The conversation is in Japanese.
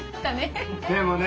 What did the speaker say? でもね